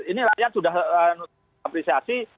ini rakyat sudah mengapresiasi